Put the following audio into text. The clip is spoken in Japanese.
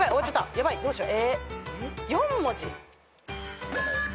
ヤバいどうしよう。